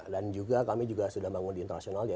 dan juga kami juga sudah bangun di internasional ya